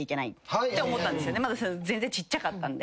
まだ全然ちっちゃかったんで。